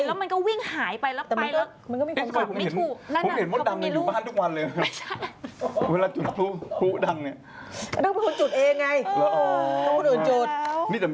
กลับไม่ได้หนีมันตกใจ